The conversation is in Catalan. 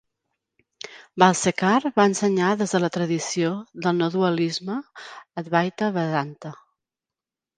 Balsekar va ensenyar des de la tradició del no dualisme Advaita Vedanta.